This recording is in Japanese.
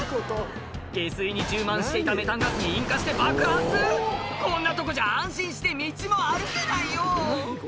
下水に充満していたメタンガスに引火して爆発こんなとこじゃ安心して道も歩けないよ